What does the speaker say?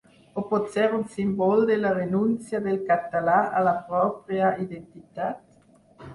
O potser un símbol de la renúncia del català a la pròpia identitat?